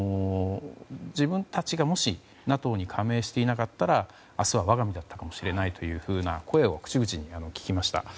自分たちがもし、ＮＡＴＯに加盟していなかったら明日は我が身だったかもしれないという声を口々に聞きました。